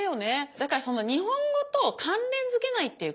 だからその日本語と関連づけないっていうことが大事ですね。